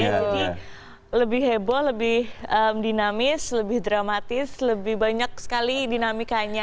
lebih heboh lebih dinamis lebih dramatis lebih banyak sekali dinamikanya